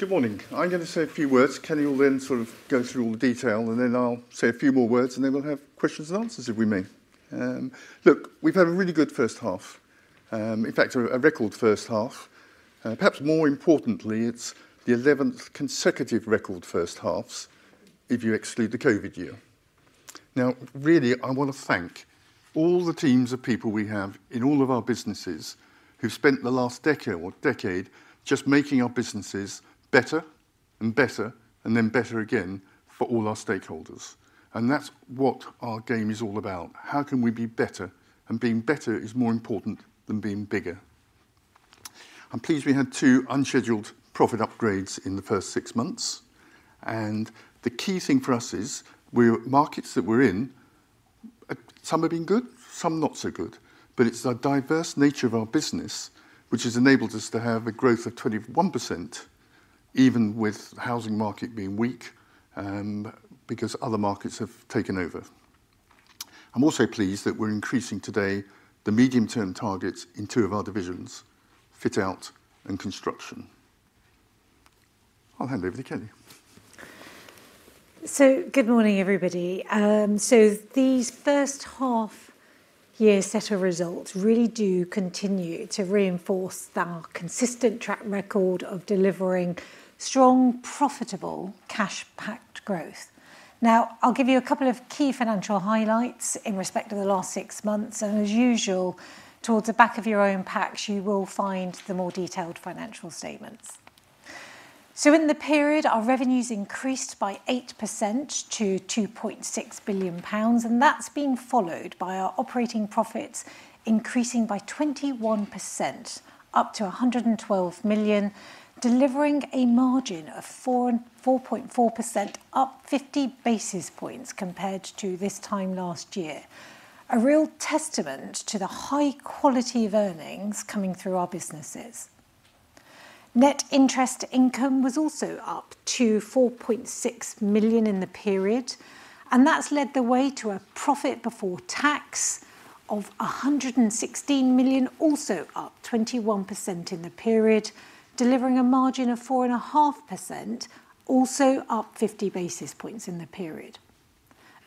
Good morning. I'm going to say a few words. Kelly will then go through all the details, then I'll say a few more words, and then we'll have questions and answers if we may. Look, we've had a really good first half, in fact, a record first half. Perhaps more importantly, it's the 11th consecutive record first half if you exclude the COVID year. Really, I want to thank all the teams of people we have in all of our businesses who've spent the last decade just making our businesses better and better and then better again for all our stakeholders. That's what our game is all about. How can we be better? Being better is more important than being bigger. I'm pleased we had two unscheduled profit upgrades in the first six months. The key thing for us is the markets that we're in, some have been good, some not so good, but it's the diverse nature of our business which has enabled us to have a growth of 21%, even with the housing market being weak, because other markets have taken over. I'm also pleased that we're increasing today the medium-term targets in two of our divisions, Fit Out and Construction. I'll hand over to Kelly. Good morning, everybody. These first half year set of results really do continue to reinforce our consistent track record of delivering strong, profitable, cash-packed growth. Now, I'll give you a couple of key financial highlights in respect of the last six months. As usual, towards the back of your own packs, you will find the more detailed financial statements. In the period, our revenues increased by 8% to 2.6 billion pounds, that's been followed by our operating profits increasing by 21%, up to 112 million, delivering a margin of 4.4%, up 50 basis points compared to this time last year. A real testament to the high-quality of earnings coming through our businesses. Net interest income was also up to 4.6 million in the period, and that's led the way to a profit before tax of 116 million, also up 21% in the period, delivering a margin of 4.5%, also up 50 basis points in the period.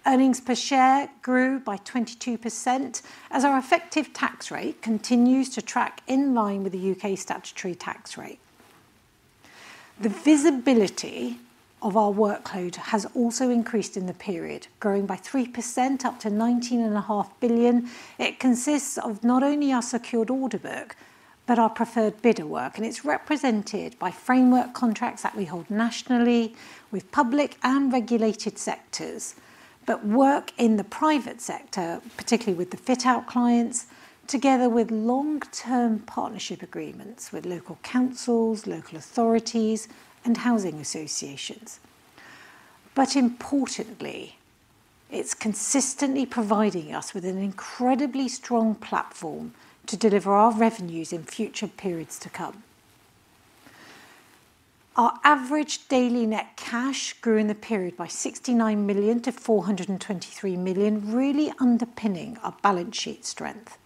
Earnings per share grew by 22% as our effective tax rate continues to track in line with the U.K. statutory tax rate. The visibility of our workload has also increased in the period, growing by 3% up to 19.5 billion. It consists of not only of our secured order book, but also of our preferred-bidder work, it's represented by framework contracts that we hold nationally with public and regulated sectors. Work in the private sector, particularly with the Fit Out clients, together with long-term partnership agreements with local councils, local authorities and housing associations. Importantly, it's consistently providing us with an incredibly strong platform to deliver our revenues in future periods to come. Our average daily net cash grew in the period by 69 million to 423 million, really underpinning our balance sheet strength.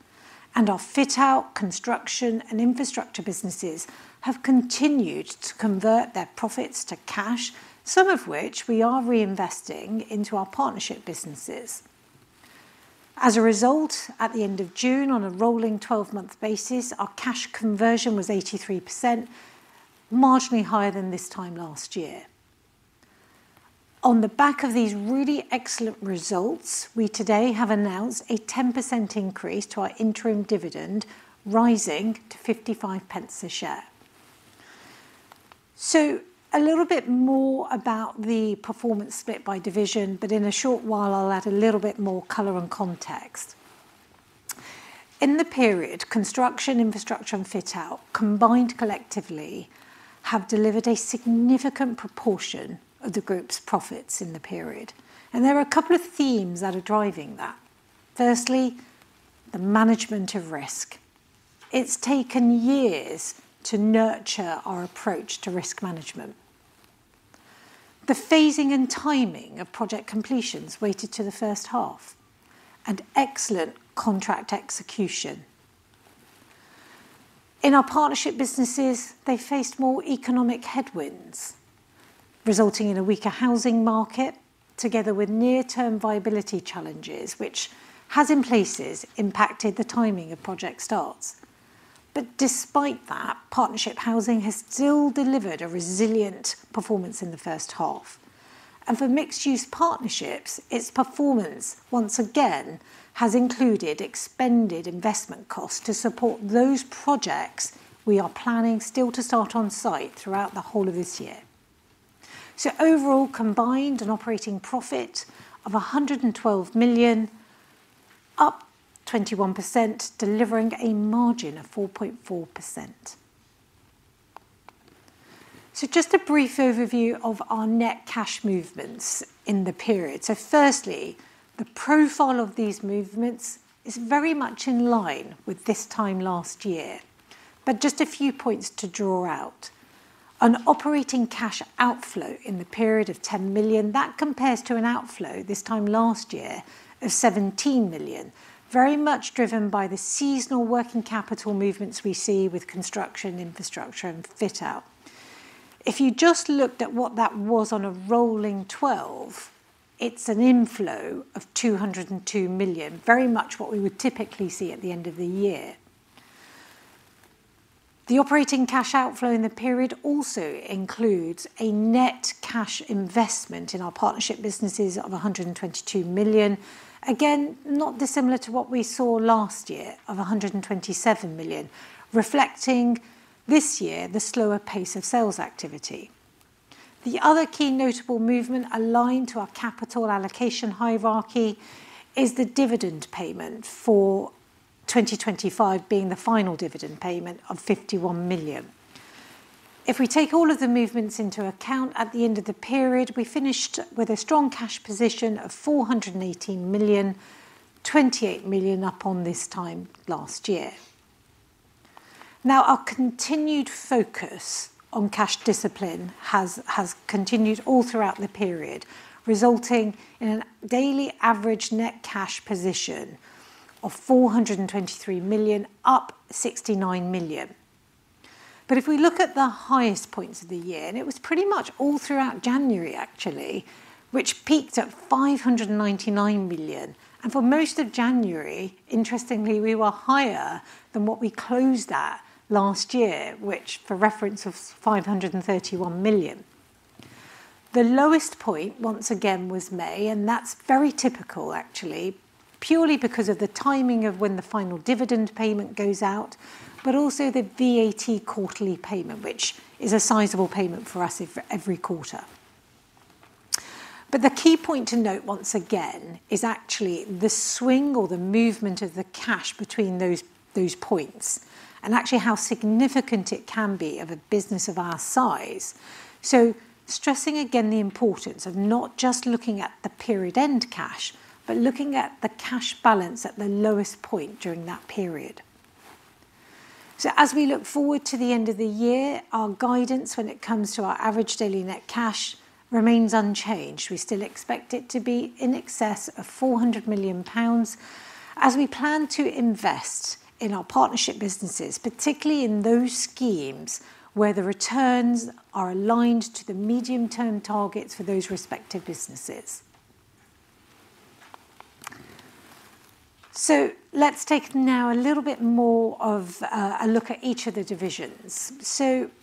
Our Fit Out, Construction, and Infrastructure businesses have continued to convert their profits to cash, some of which we are reinvesting into our partnership businesses. As a result, at the end of June, on a rolling 12-month basis, our cash conversion was 83%, marginally higher than this time last year. On the back of these really excellent results, we today have announced a 10% increase to our interim dividend, rising to 0.55 a share. A little bit more about the performance split by division: in a short while, I'll add a little bit more color and context. In the period, Construction, Infrastructure, and Fit Out, combined collectively, have delivered a significant proportion of the group's profits in the period. There are a couple of themes that are driving that. Firstly, the management of risk. It's taken years to nurture our approach to risk management. The phasing and timing of project completions weighted to the first half and excellent contract execution. In our partnership businesses, they faced more economic headwinds, resulting in a weaker housing market, together with near-term viability challenges, which has, in places, impacted the timing of project starts. Despite that, Partnership Housing has still delivered a resilient performance in the first half. For Mixed Use Partnerships, its performance, once again, has included expended investment costs to support those projects we are planning to still start on site throughout the whole of this year. Overall, combined, an operating profit of 112 million, up 21%, delivering a margin of 4.4%. Just a brief overview of our net cash movements in the period. Firstly, the profile of these movements is very much in line with this time last year. Just a few points to draw out. An operating cash outflow in the period of 10 million, that compares to an outflow this time last year of 17 million. Very much driven by the seasonal working-capital movements we see with Construction, Infrastructure, and Fit Out. If you just looked at what that was on a rolling 12-month, it's an inflow of 202 million, very much what we would typically see at the end of the year. The operating cash outflow in the period also includes a net cash investment in our partnership businesses of 122 million. Again, not dissimilar to what we saw last year of 127 million, reflecting this year's, the slower pace of sales activity. The other key notable movement aligned to our capital allocation hierarchy is the dividend payment for 2025 being the final dividend payment of 51 million. If we take all of the movements into account, at the end of the period, we finished with a strong cash position of 418 million, 28 million up on this time last year. Our continued focus on cash discipline has continued all throughout the period, resulting in a daily average net cash position of 423 million, up 69 million. If we look at the highest points of the year, and it was pretty much all throughout January, actually, which peaked at 599 million. For most of January, interestingly, we were higher than what we closed at last year, which for reference was 531 million. The lowest point, once again, was May, and that's very typical actually, purely because of the timing of when the final dividend payment goes out, but also the VAT quarterly payment, which is a sizable payment for us every quarter. The key point to note once again is actually the swing or the movement of the cash between those points and actually how significant it can be of a business of our size. Stressing again the importance of not just looking at the period-end cash, but looking at the cash balance at the lowest point during that period. As we look forward to the end of the year, our guidance when it comes to our average daily net cash remains unchanged. We still expect it to be in excess of 400 million pounds as we plan to invest in our partnership businesses, particularly in those schemes where the returns are aligned to the medium-term targets for those respective businesses. Let's now take a little bit more of a look at each of the divisions.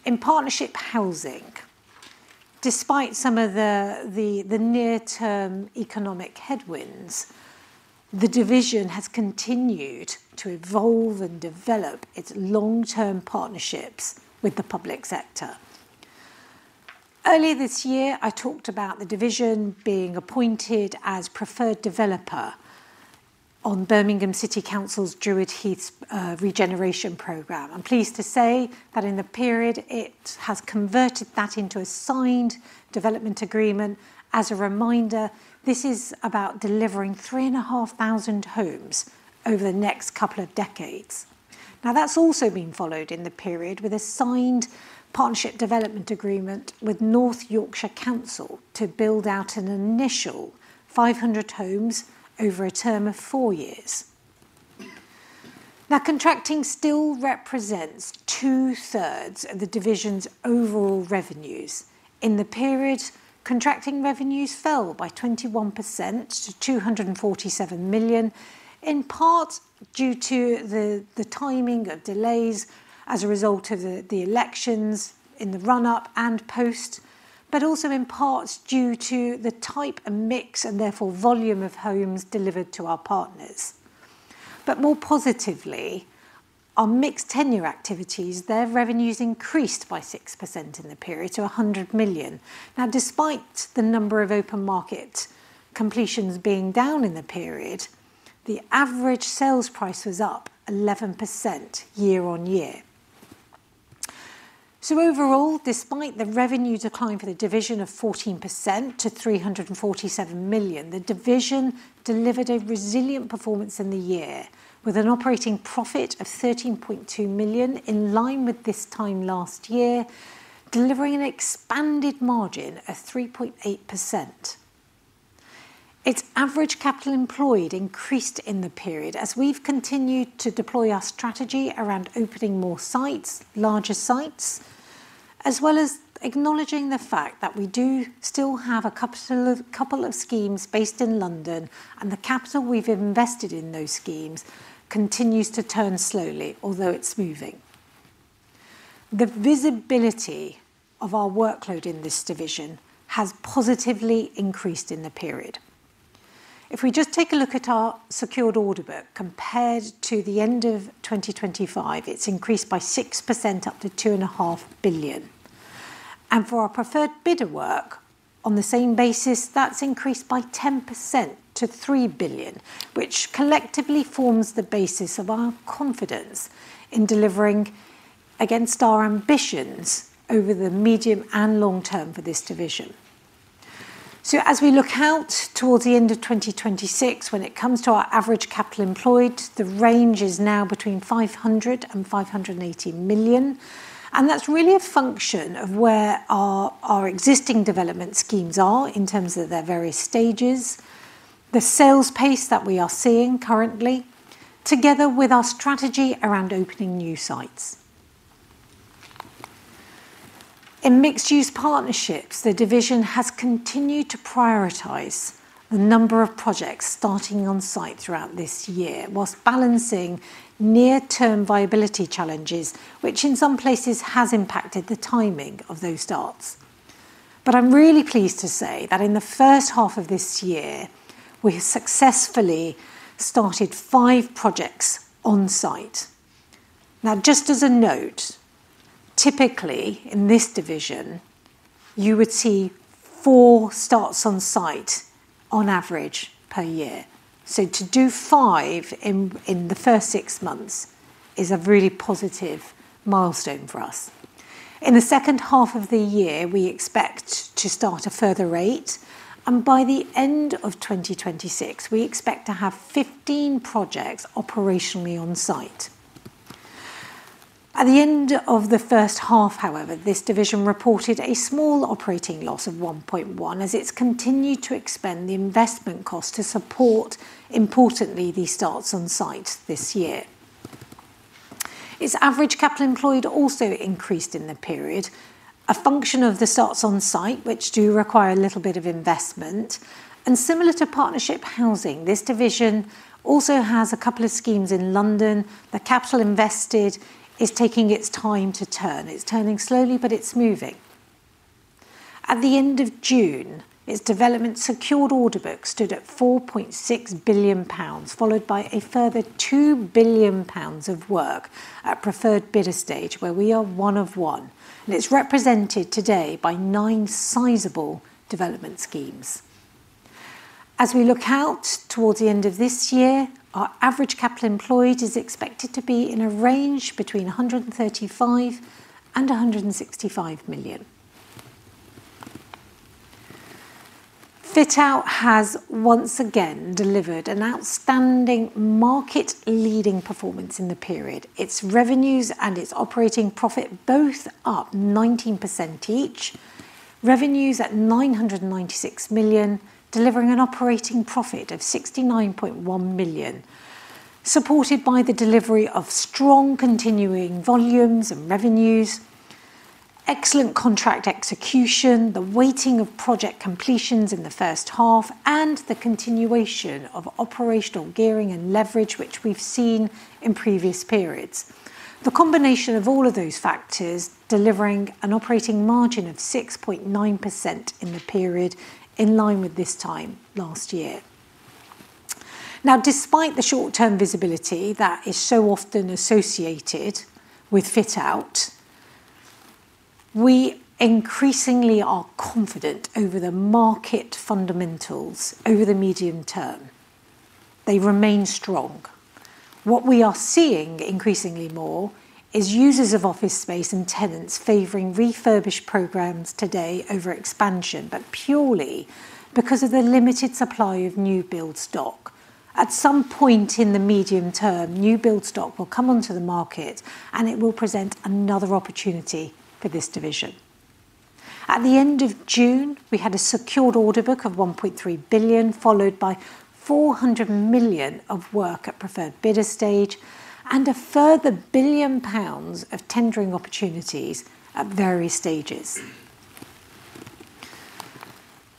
In Partnership Housing, despite some of the near-term economic headwinds, the division has continued to evolve and develop its long-term partnerships with the public sector. Earlier this year, I talked about the division being appointed as preferred developer on Birmingham City Council's Druids Heath regeneration program. I'm pleased to say that in the period it has converted that into a signed development agreement. As a reminder, this is about delivering 3,500 homes over the next couple of decades. That's also been followed in the period with a signed partnership development agreement with North Yorkshire Council to build out an initial 500 homes over a term of four years. Contracting still represents 2/3s of the division's overall revenues. In the period, contracting revenues fell by 21% to 247 million, in part due to the timing of delays as a result of the elections in the run-up and post, but also in part due to the type and mix and therefore volume of homes delivered to our partners. More positively, our mixed tenure activities increased their revenues by 6% in the period to 100 million. Despite the number of open market completions being down in the period, the average sales price was up 11% year-on-year. Overall, despite the revenue decline for the division of 14% to 347 million, the division delivered a resilient performance in the year with an operating profit of 13.2 million, in line with this time last year, delivering an expanded margin of 3.8%. Its average capital employed increased in the period as we've continued to deploy our strategy around opening more sites, larger sites, as well as acknowledging the fact that we do still have a couple of schemes based in London, and the capital we've invested in those schemes continues to turn slowly, although it's moving. The visibility of our workload in this division has positively increased in the period. If we just take a look at our secured order book compared to the end of 2025, it's increased by 6% up to 2.5 billion. For our preferred bidder work, on the same basis, that's increased by 10% to 3 billion, which collectively forms the basis of our confidence in delivering against our ambitions over the medium and long term for this division. As we look out towards the end of 2026, when it comes to our average capital employed, the range is now between 500 million and 580 million, and that's really a function of where our existing development schemes are in terms of their various stages, the sales pace that we are seeing currently, together with our strategy around opening new sites. In Mixed Use Partnerships, the division has continued to prioritize the number of projects starting on site throughout this year, while balancing near-term viability challenges, which in some places has impacted the timing of those starts. I'm really pleased to say that in the first half of this year, we have successfully started five projects on site. Just as a note, typically in this division, you would see four starts on site on average per year. To do five in the first six months is a really positive milestone for us. In the second half of the year, we expect to start a further eight, and by the end of 2026, we expect to have 15 projects operationally on site. At the end of the first half, however, this division reported a small operating loss of 1.1, as it's continued to expend the investment cost to support, importantly, these starts on site this year. Its average capital employed also increased in the period, a function of the starts on site, which do require a little bit of investment. Similar to Partnership Housing, this division also has a couple of schemes in London. The capital invested is taking its time to turn. It's turning slowly, but it's moving. At the end of June, its development secured order book stood at 4.6 billion pounds, followed by a further 2 billion pounds of work at preferred bidder stage, where we are one of one, and it's represented today by nine sizable development schemes. As we look out towards the end of this year, our average capital employed is expected to be in a range between 135 million and 165 million. Fit Out has once again delivered an outstanding market-leading performance in the period. Its revenues and its operating profit both up 19% each. Revenues at 996 million, delivering an operating profit of 69.1 million, supported by the delivery of strong continuing volumes and revenues, excellent contract execution, the weighting of project completions in the first half, and the continuation of operational gearing and leverage, which we've seen in previous periods. The combination of all of those factors delivering an operating margin of 6.9% in the period, in line with this time last year. Despite the short-term visibility that is so often associated with Fit Out, we are increasingly confident over the market fundamentals over the medium term. They remain strong. What we are seeing increasingly more is users of office space and tenants favoring refurbish programs today over expansion, but purely because of the limited supply of new build stock. At some point in the medium term, new build stock will come onto the market, and it will present another opportunity for this division. At the end of June, we had a secured order book of 1.3 billion, followed by 400 million of work at preferred bidder stage and a further 1 billion pounds of tendering opportunities at various stages.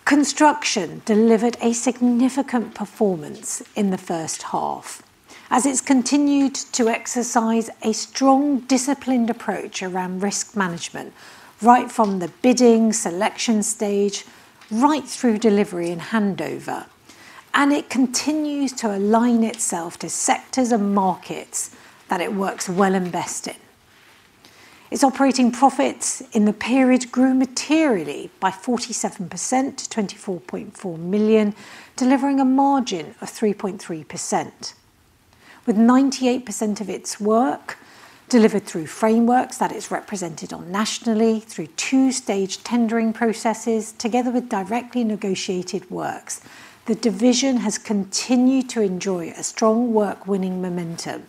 Construction delivered a significant performance in the first half as it's continued to exercise a strong, disciplined approach around risk management, right from the bidding selection stage, right through delivery and handover, and it continues to align itself to sectors and markets that it works well and best in. Its operating profits in the period grew materially by 47% to 24.4 million, delivering a margin of 3.3%, with 98% of its work delivered through frameworks that it's represented on nationally through two-stage tendering processes, together with directly negotiated works. The division has continued to enjoy a strong work-winning momentum.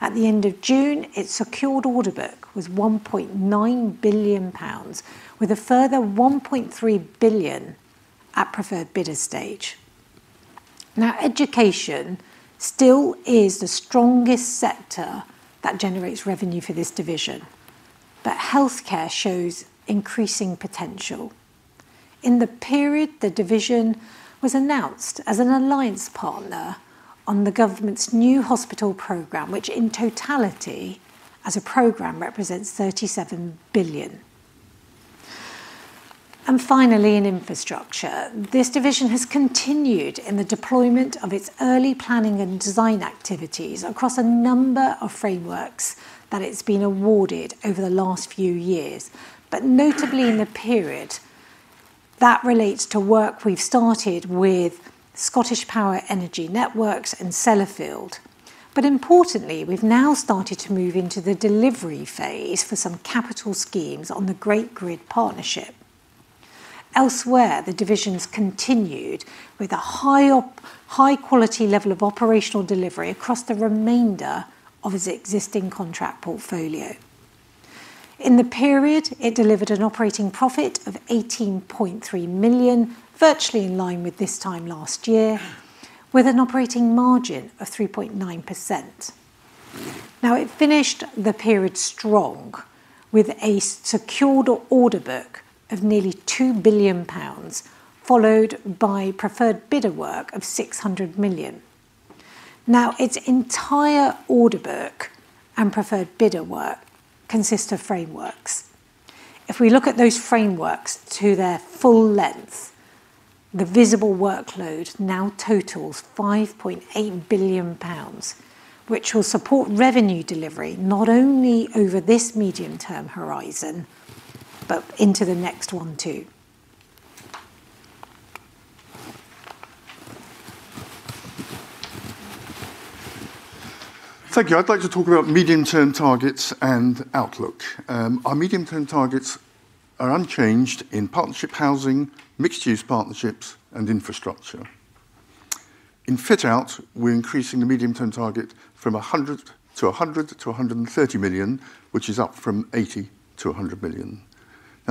At the end of June, its secured order book was 1.9 billion pounds, with a further 1.3 billion at preferred bidder stage. Education is still the strongest sector that generates revenue for this division, but healthcare shows increasing potential. In the period, the division was announced as an alliance partner on the government's New Hospital Programme, which in totality as a program represents GBP 37 billion. In Infrastructure, this division has continued in the deployment of its early planning and design activities across a number of frameworks that it's been awarded over the last few years. Notably in the period that relates to work we've started with Scottish Power Energy Networks and Sellafield. Importantly, we've now started to move into the delivery phase for some capital schemes on the Great Grid Partnership. Elsewhere, the division continued with a high-quality level of operational delivery across the remainder of its existing contract portfolio. In the period, it delivered an operating profit of 18.3 million, virtually in line with this time last year, with an operating margin of 3.9%. It finished the period strong with a secured order book of nearly 2 billion pounds, followed by preferred-bidder work of 600 million. Its entire order book and preferred bidder work consists of frameworks. If we look at those frameworks to their full length, the visible workload now totals 5.8 billion pounds, which will support revenue delivery, not only over this medium-term horizon, but into the next one, too. Thank you. I'd like to talk about medium-term targets and outlook. Our medium-term targets are unchanged in Partnership Housing, Mixed Use Partnerships, and Infrastructure. In Fit Out, we're increasing the medium-term target from 100 million to 130 million, which is up from 80 million to 100 million.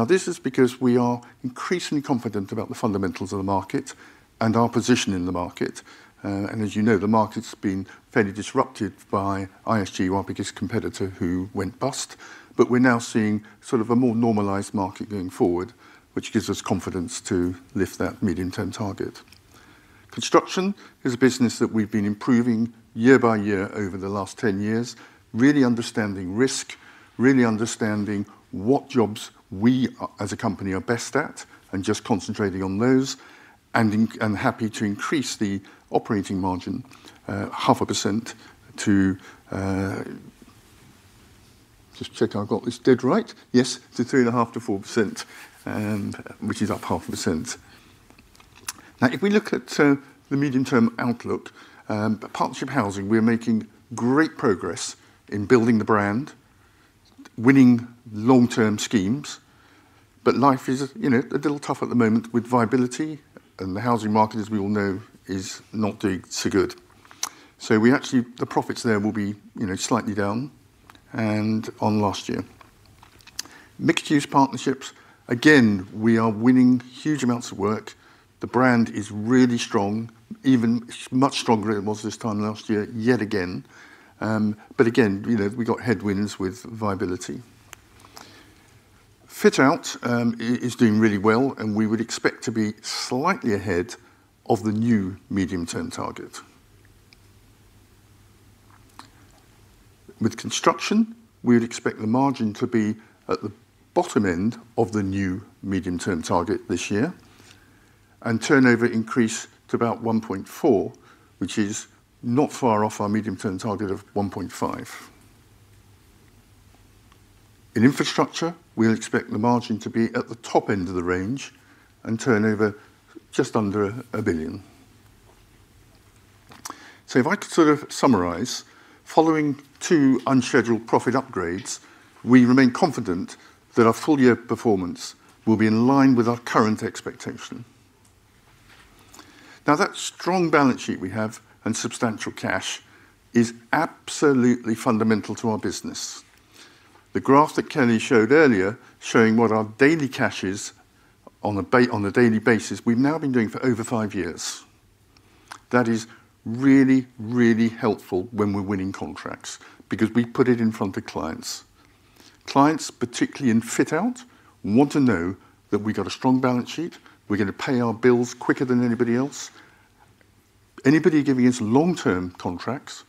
This is because we are increasingly confident about the fundamentals of the market and our position in the market. As you know, the market's been fairly disrupted by ISG, our biggest competitor, who went bust. We're now seeing sort of a more normalized market going forward, which gives us confidence to lift that medium-term target. Construction is a business that we've been improving year-by-year over the last 10 years, really understanding risk, really understanding what jobs we, as a company, are best at, and just concentrating on those, and happy to increase the operating margin half a percent to- just check I've got this dead right. Yes, to 3.5%-4%, which is up half a percent. If we look at the medium-term outlook, Partnership Housing, we are making great progress in building the brand, winning long-term schemes, but life is a little tough at the moment with viability, and the housing market, as we all know, is not doing so good. Actually, the profits there will be slightly down and on last year. Mixed Use Partnerships, again, we are winning huge amounts of work. The brand is really strong, even much stronger than it was this time last year, yet again. Again, we got headwinds with viability. Fit Out is doing really well, and we would expect to be slightly ahead of the new medium-term target. With Construction, we would expect the margin to be at the bottom end of the new medium-term target this year, and turnover to increase to about 1.4 billion, which is not far off our medium-term target of 1.5 billion. In Infrastructure, we'll expect the margin to be at the top end of the range and turnover just under 1 billion. If I could sort of summarize, following two unscheduled profit upgrades, we remain confident that our full year performance will be in line with our current expectation. That strong balance sheet we have and substantial cash is absolutely fundamental to our business. The graph that Kelly showed earlier showing what our daily cash is on a daily basis, we've now been doing for over five years. That is really helpful when we're winning contracts because we put it in front of clients. Clients, particularly in Fit Out, want to know that we got a strong balance sheet, we're going to pay our bills quicker than anybody else. Anybody giving us long-term contracts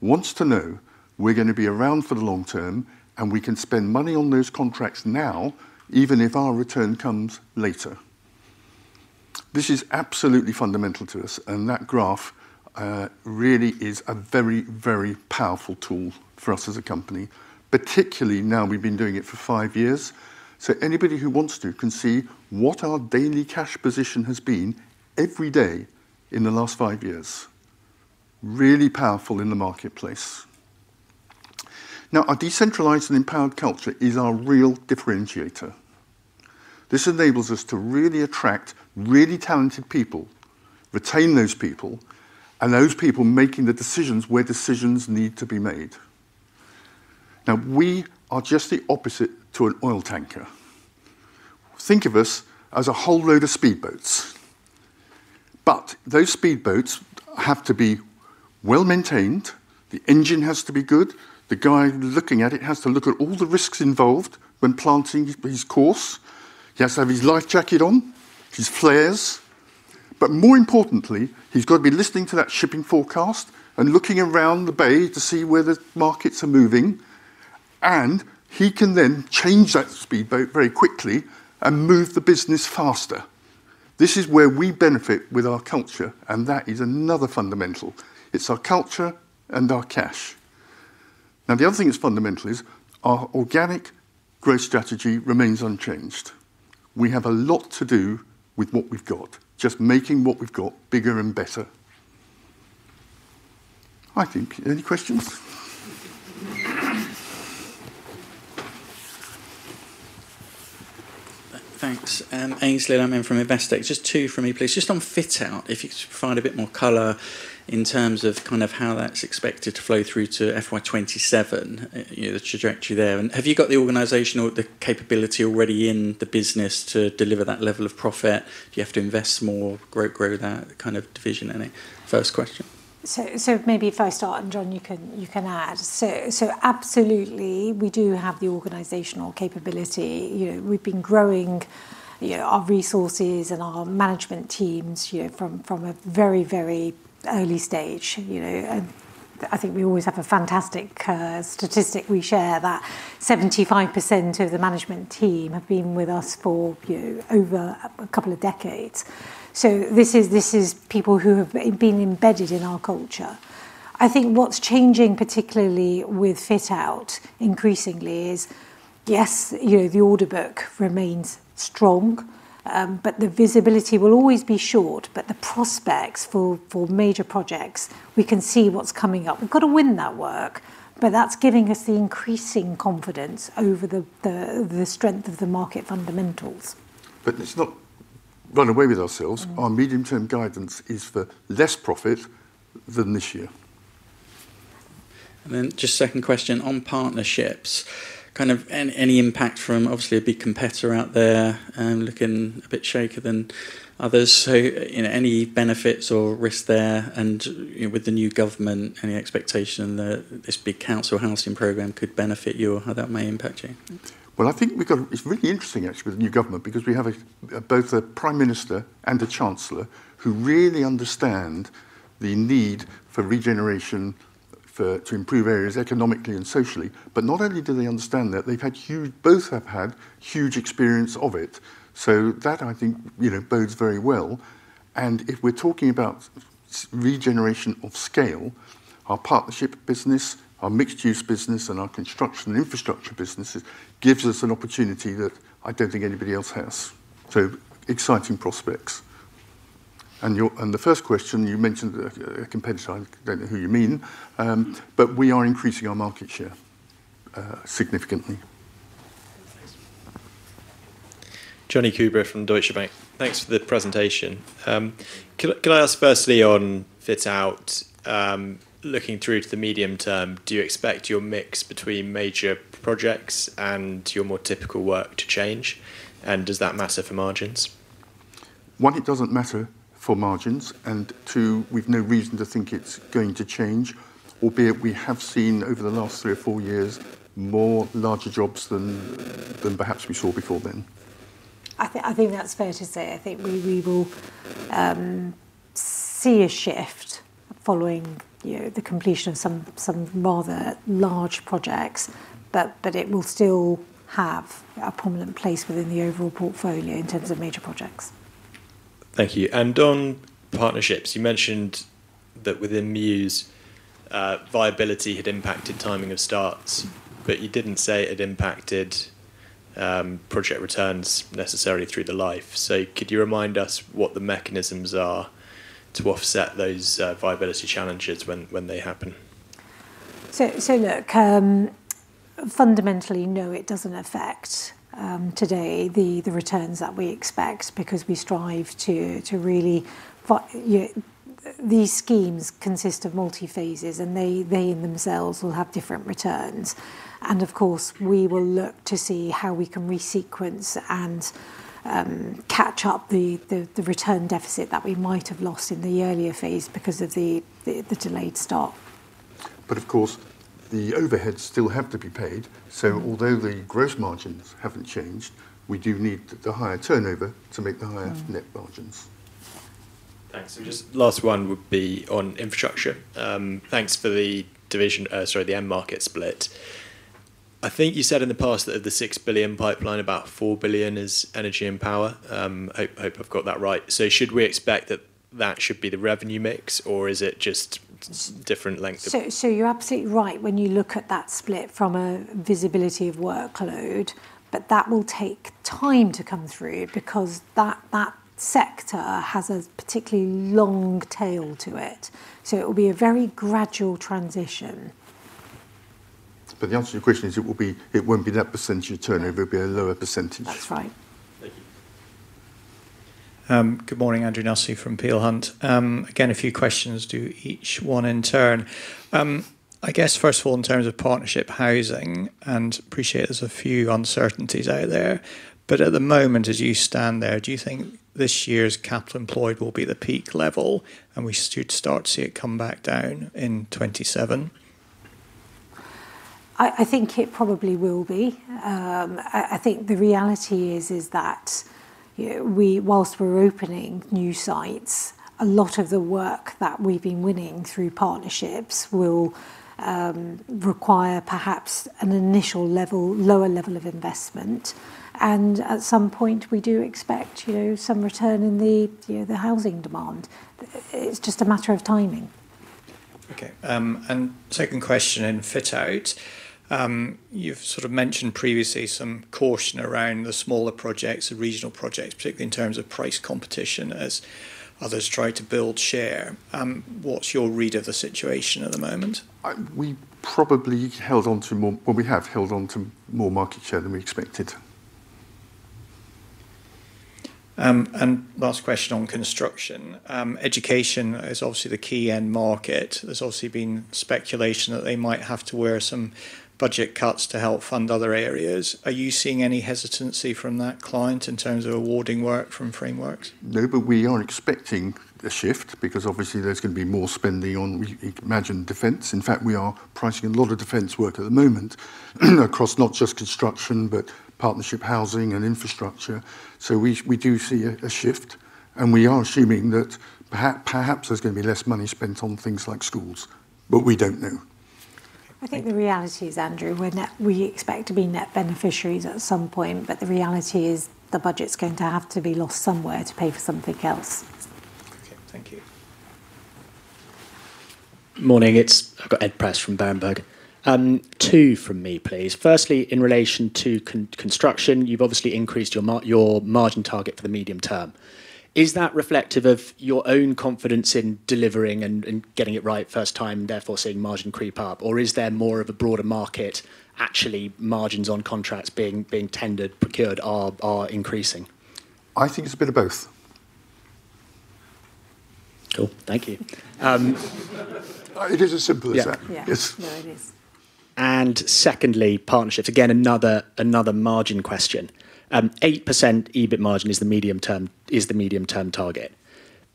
wants to know we're going to be around for the long term, and we can spend money on those contracts now, even if our return comes later. This is absolutely fundamental to us, and that graph really is a very powerful tool for us as a company, particularly now we've been doing it for five years. Anybody who wants to can see what our daily cash position has been every day in the last five years. Really powerful in the marketplace. Our decentralized and empowered culture is our real differentiator. This enables us to really attract talented people, retain those people, and those people make the decisions where decisions need to be made. We are just the opposite to an oil tanker. Think of us as a whole load of speedboats. Those speedboats have to be well maintained; the engine has to be good, the guy looking at it has to look at all the risks involved when planning his course. He has to have his life jacket on, his flares, but more importantly, he's got to be listening to that shipping forecast and looking around the bay to see where the markets are moving, and he can then change that speedboat very quickly and move the business faster. This is where we benefit with our culture, and that is another fundamental. It's our culture and our cash. The other thing that's fundamental is our organic growth strategy remains unchanged. We have a lot to do with what we've got, just making what we've got bigger and better. I think, any questions? Thanks. Aynsley Lammin from Investec. Just two from me, please. Just on Fit Out, if you could provide a bit more color in terms of how that's expected to flow through to FY 2027, the trajectory there. Have you got the organizational capability already in the business to deliver that level of profit? Do you have to invest more, grow that kind of division, any? First question. Maybe if I start, John, you can add. Absolutely, we do have the organizational capability. We've been growing our resources and our management teams from a very early stage. I think we always have a fantastic statistic we share that 75% of the management team have been with us for over a couple of decades. These are people who have been embedded in our culture. I think what's changing, particularly with Fit Out increasingly, is, yes, the order book remains strong, the visibility will always be short, the prospects for major projects, we can see what's coming up. We've got to win that work, that's giving us the increasing confidence over the strength of the market fundamentals. Let's not run away with ourselves. Our medium-term guidance is for less profit than this year. Just second question on partnerships. Any impact from obviously, a big competitor out there looking a bit shakier than others? Any benefits or risks there and, with the new government, any expectation that this big council housing program could benefit you or how that may impact you? Okay. Well, I think it's really interesting actually with the new government, because we have both a prime minister and a chancellor who really understand the need for regeneration to improve areas economically and socially. Not only do they understand that, both have had huge experience of it. That I think bodes very well, and if we're talking about regeneration of scale, our Partnership business, our Mixed-Use business, and our Construction and Infrastructure businesses give us an opportunity that I don't think anybody else has. Exciting prospects. The first question, you mentioned a competitor. I don't know who you mean, but we are increasing our market share significantly. Okay. Jonny Coubrough from Deutsche Bank. Thanks for the presentation. Can I ask firstly on Fit Out, looking through to the medium term, do you expect your mix between major projects and your more typical work to change? Does that matter for margins? It doesn't matter for margins; two, we've no reason to think it's going to change. Although we have seen over the last three or four years more larger jobs than perhaps we saw before then. I think that's fair to say. I think we will see a shift following the completion of some rather large projects, but it will still have a prominent place within the overall portfolio in terms of major projects. Thank you. On partnerships, you mentioned that within Muse, viability had impacted the timing of starts, you didn't say it had impacted project returns necessarily through the life. Could you remind us what the mechanisms are to offset those viability challenges when they happen? Look, fundamentally, no, it doesn't affect today the returns that we expect because these schemes consist of multi-phases, they in themselves will have different returns. Of course, we will look to see how we can resequence and catch up the return deficit that we might have lost in the earlier phase because of the delayed start. Of course, the overheads still have to be paid. Although the gross margins haven't changed, we do need the higher turnover to make the higher-net margins. Thanks. Just last one would be on Infrastructure. Thanks for the division, sorry, the end market split. I think you said in the past that of the 6 billion pipeline, about 4 billion is energy and power. Hope I've got that right. Should we expect that that should be the revenue mix, or is it just different length of- You're absolutely right when you look at that split from a visibility of workload, that will take time to come through because that sector has a particularly long tail to it. It will be a very gradual transition. The answer to your question is it won't be that percentage of turnover, it'll be a lower percentage. That's right. Thank you. Good morning, Andrew Nussey from Peel Hunt. Again, a few questions to each one in turn. I guess first of all, in terms of Partnership Housing, and appreciate there's a few uncertainties out there, but at the moment, as you stand there, do you think this year's capital employed will be the peak level, and we should start to see it come back down in 2027? I think it probably will be. I think the reality is that whilst we're opening new sites, a lot of the work that we've been winning through partnerships will require perhaps an initial lower level of investment. At some point, we do expect some return in the housing demand. It's just a matter of timing. Okay. Second question in Fit Out. You've sort of mentioned previously some caution around the smaller projects, the regional projects, particularly in terms of price competition as others try to build share. What's your read of the situation at the moment? Well, we have held on to more market share than we expected Last question on Construction. Education is obviously the key end market. There's obviously been speculation that they might have to wear some budget cuts to help fund other areas. Are you seeing any hesitancy from that client in terms of awarding work from frameworks? No, we are expecting a shift, because obviously there's going to be more spending on, we imagine, defense. In fact, we are pricing a lot of defense work at the moment across not just Construction, but Partnership Housing and Infrastructure. We do see a shift, and we are assuming that perhaps there's going to be less money spent on things like schools. We don't know. I think the reality is, Andrew, we expect to be net beneficiaries at some point, the reality is the budget's going to have to be lost somewhere to pay for something else. Okay. Thank you. Morning, I've got Edward Prest from Berenberg. Two from me, please. Firstly, in relation to Construction, you've obviously increased your margin target for the medium term. Is that reflective of your own confidence in delivering and getting it right first time, therefore seeing margin creep up? Is there more of a broader market, actually, margins on contracts being tendered, procured, are increasing? I think it's a bit of both. Cool. Thank you. It is as simple as that. Yeah. It's- No, it is. Secondly, partnerships, again, another margin question. 8% EBIT margin is the medium-term target.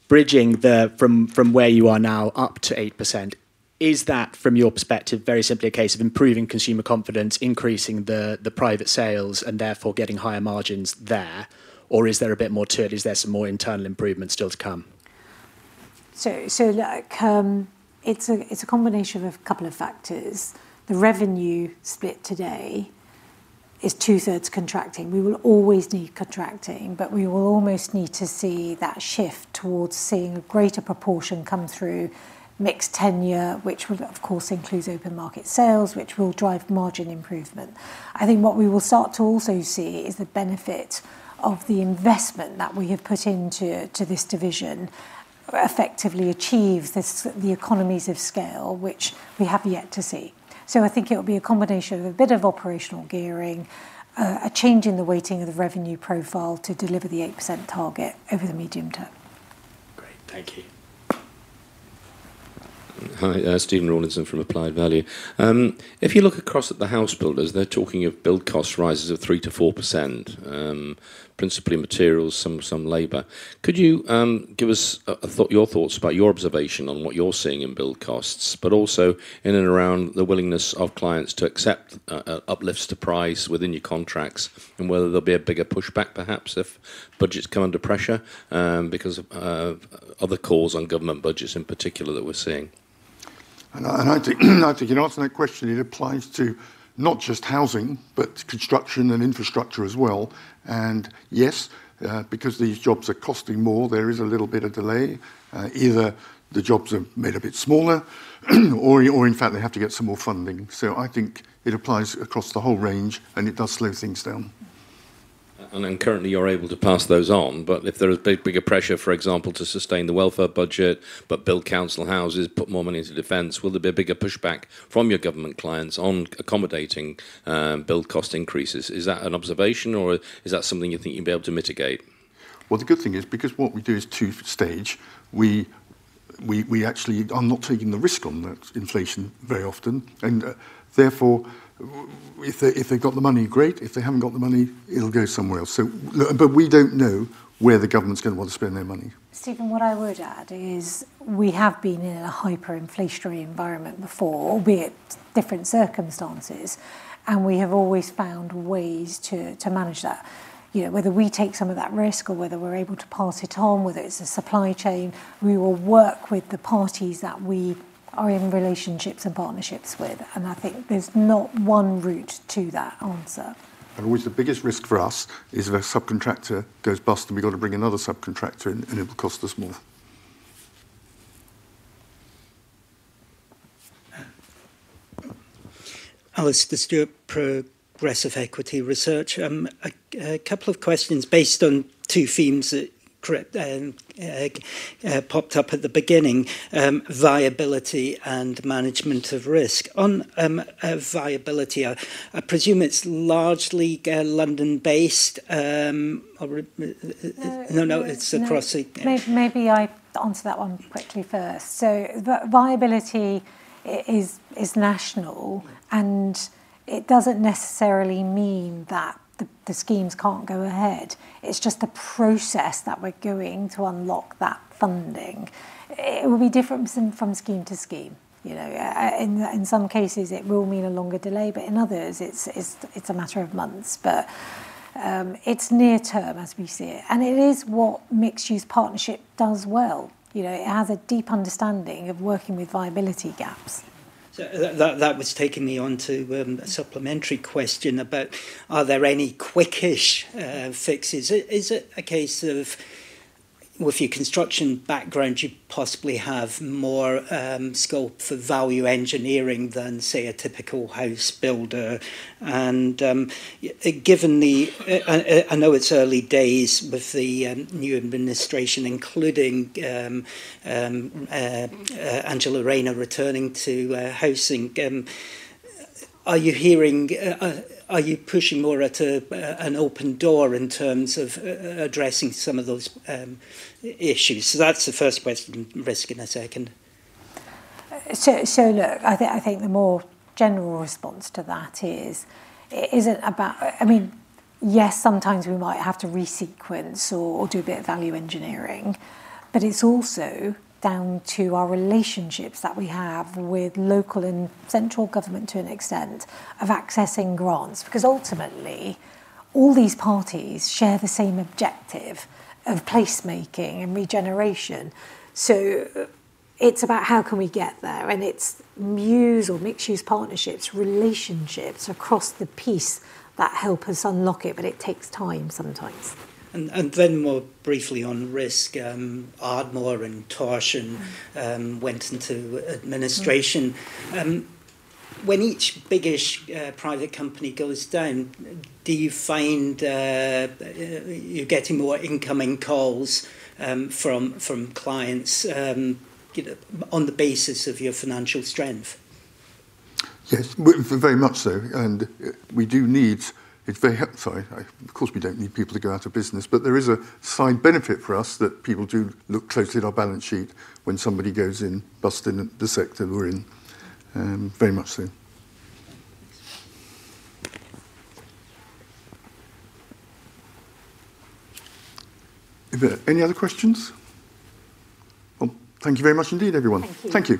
Bridging from where you are now up to 8%, is that, from your perspective, very simply a case of improving consumer confidence, increasing the private sales, and therefore getting higher margins there? Or is there a bit more to it? Is there some more internal improvement still to come? It's a combination of a couple of factors. The revenue split today is 2/3s contracting. We will always need contracting, but we will almost need to see that shift towards seeing a greater proportion come through mixed tenure, which of course includes open market sales, which will drive margin improvement. I think what we will start to also see is the benefit of the investment that we have put into this division effectively achieve the economies of scale, which we have yet to see. I think it will be a combination of a bit of operational gearing, a change in the weighting of the revenue profile to deliver the 8% target over the medium term. Great. Thank you. Hi, Stephen Rawlinson from Applied Value. If you look across at the house builders, they're talking of build cost rises of 3%-4%, principally materials, some labor. Could you give us your thoughts about your observation on what you're seeing in build costs, but also in and around the willingness of clients to accept uplifts to price within your contracts, and whether there'll be a bigger pushback perhaps if budgets come under pressure because of other calls on government budgets in particular that we're seeing? In answering that question, it applies to not just housing, but Construction and Infrastructure as well. Yes, because these jobs are costing more, there is a little bit of delay. Either the jobs are made a bit smaller, or in fact they have to get some more funding. I think it applies across the whole range, and it does slow things down. Currently you're able to pass those on. If there is bigger pressure, for example, to sustain the welfare budget, but build council houses, put more money into defense, will there be a bigger pushback from your government clients on accommodating build cost increases? Is that an observation, or is that something you think you'll be able to mitigate? Well, the good thing is, because what we do is two-stage, we actually are not taking the risk on that inflation very often. Therefore, if they've got the money, great. If they haven't got the money, it'll go somewhere else. We don't know where the government's going to want to spend their money. Stephen, what I would add is we have been in a hyperinflationary environment before, albeit in different circumstances. We have always found ways to manage that. Whether we take some of that risk or whether we're able to pass it on, whether it's the supply chain, we will work with the parties that we are in relationships and partnerships with. I think there's not one route to that answer. Always the biggest risk for us is if a subcontractor goes bust and we've got to bring another subcontractor in, and it will cost us more. Alastair Stewart, Progressive Equity Research. A couple of questions based on two themes that popped up at the beginning: viability and management of risk. On viability, I presume it's largely London-based, or no, it's across the- Maybe I answer that one quickly first. Viability is national, and it doesn't necessarily mean that the schemes can't go ahead. It's just the process that we're going to unlock that funding. It will be different from scheme to scheme. In some cases it will mean a longer delay, but in others it's a matter of months. It's near term as we see it. It is what Mixed Use Partnership does well. It has a deep understanding of working with viability gaps. That was taking me onto a supplementary question about are there any quickish fixes? Is it a case of, well, with your construction background, do you possibly have more scope for value engineering than, say, a typical house builder? I know it's early days with the new administration, including Angela Rayner returning to housing. Are you pushing more at an open door in terms of addressing some of those issues? That's the first question. Risk in a second. Look, I think the more general response to that is it isn't about. Yes, sometimes we might have to resequence or do a bit of value engineering, but it's also down to our relationships that we have with local and central government, to an extent, of accessing grants. Ultimately, all these parties share the same objective of placemaking and regeneration. It's about how we can get there, and it's mixed-use partnerships, relationships across the piece that help us unlock it, but it takes time sometimes. More briefly on risk, Ardmore and Torsion went into administration. When each biggish private company goes down, do you find you're getting more incoming calls from clients on the basis of your financial strength? Yes, very much so. We do need. Sorry. Of course, we don't need people to go out of business, but there is a side benefit for us that people do look closely at our balance sheet when somebody goes bust in the sector we're in. Very much so. Are there any other questions? Thank you very much indeed, everyone. Thank you. Thank you.